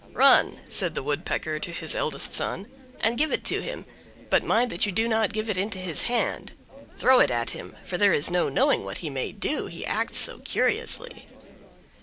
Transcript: "Run," said the Woodpecker to his eldest son, "and give it to him; but mind that you do not give it into his hand; throw it at him, for there is no knowing what he may do, he acts so curiously."